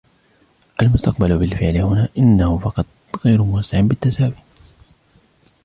المستقبل بالفعل هنا — إنه فقط غير موزع بالتساوي.